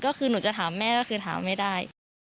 ก็คือหนูจะถามแม่ก็คือถามไม่ได้